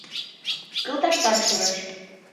— Кылташтат шуэш.